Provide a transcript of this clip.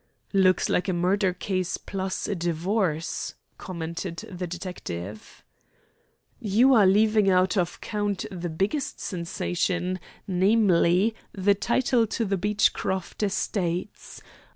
"Looks like a murder case plus a divorce," commented the detective. "You are leaving out of count the biggest sensation, namely, the title to the Beechcroft estates.